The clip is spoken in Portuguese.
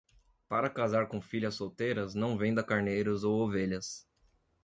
Para casar com filhas solteiras, não venda carneiros ou ovelhas.